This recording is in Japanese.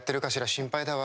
心配だわ。